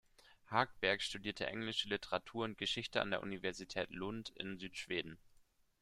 Hagberg studierte englische Literatur und Geschichte an der Universität Lund in Südschweden.